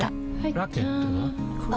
ラケットは？